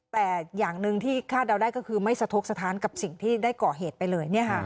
แต่อย่างหนึ่งที่คาดเดาได้ก็คือไม่สะทกสถานกับสิ่งที่ได้ก่อเหตุไปเลย